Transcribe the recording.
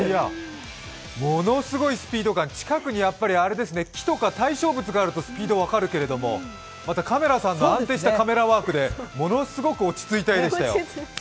ものすごいスピード感、近くに木とか対象物があるとスピードが分かるけれどもまたカメラさんの安定したカメラワークでものすごく落ち着いた画でしたよ。